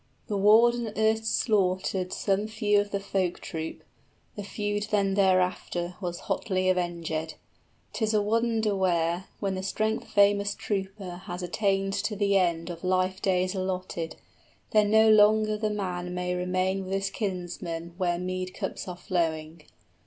The warden erst slaughtered Some few of the folk troop: the feud then thereafter 5 Was hotly avengèd. 'Tis a wonder where, When the strength famous trooper has attained to the end of Life days allotted, then no longer the man may Remain with his kinsmen where mead cups are flowing.